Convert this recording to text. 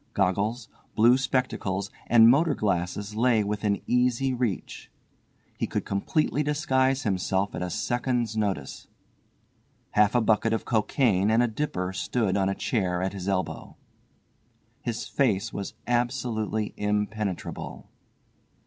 Goggles, blue spectacles and motor glasses lay within easy reach. He could completely disguise himself at a second's notice. Half a bucket of cocaine and a dipper stood on a chair at his elbow. His face was absolutely impenetrable.